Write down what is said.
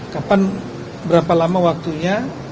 kapan berapa lama waktunya